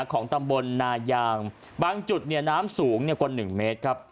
ของตำบลนายางบางจุดเนี่ยน้ำสูงกว่า๑เมตรครับ